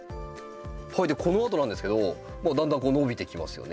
このあとなんですけどだんだん伸びてきますよね。